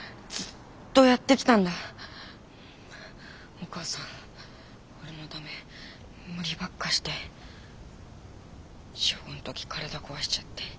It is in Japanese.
お母さん俺のため無理ばっかして小５ん時体壊しちゃって。